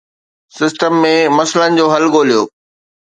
System ۾ مسئلن جو حل ڳوليو.